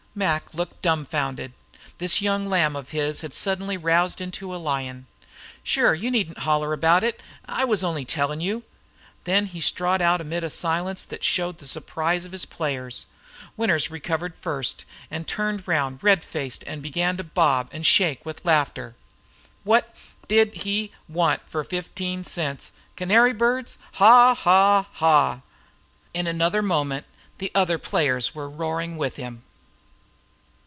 Mac looked dumfounded. This young lamb of his had suddenly roused into a lion. "Shure you needn't holler about it. I was only tellin' you." Then he strode out amid a silence that showed the surprise of his players. Winters recovered first, and turned his round red face and began to bob and shake with laughter. "What did he want for fifteen cents canary birds? Haw! Haw; Haw!" In another moment the other players were roaring with him.